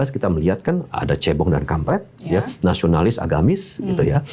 dua ribu sembilan belas kita melihat kan ada cebong dan kampret ya nasionalis agamis gitu ya